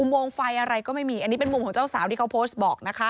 โมงไฟอะไรก็ไม่มีอันนี้เป็นมุมของเจ้าสาวที่เขาโพสต์บอกนะคะ